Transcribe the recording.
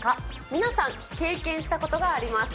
皆さん経験したことがあります。